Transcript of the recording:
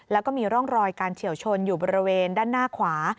แล้วก็มีร่องรอยการเฉียวชนอยู่บริเวณด้านหน้าขวา